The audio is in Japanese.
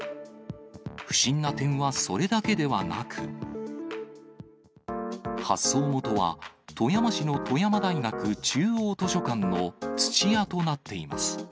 不審な点はそれだけではなく、発送元は、富山市の富山大学中央図書館の土屋となっています。